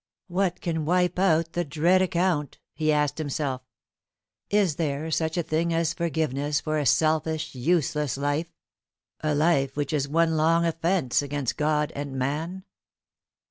"What can wipe out the dread account?" he asked himself. "Is there such a thing as forgiveness for a selfish useless life a life which is one long offence against God and man?"